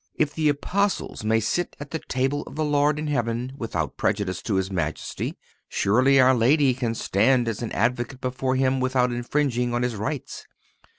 (269) If the Apostles may sit at the table of the Lord in heaven without prejudice to His majesty, surely Our Lady can stand as an advocate before Him without infringing on His rights.